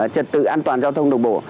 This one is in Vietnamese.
trật tự an toàn giao thông đồng bộ